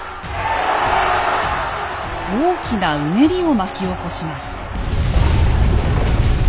大きなうねりを巻き起こします。